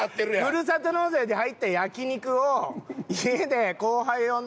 ふるさと納税で入った焼き肉を家で後輩呼んで。